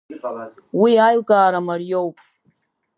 Уи аилкаара мариоуп.